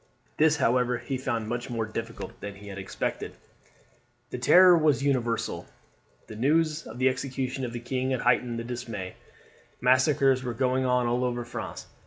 This, however, he found much more difficult than he had expected. The terror was universal. The news of the execution of the king had heightened the dismay. Massacres were going on all over France.